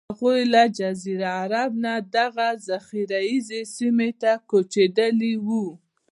هغوی له جزیرة العرب نه دغې زرخیزې سیمې ته کوچېدلي وو.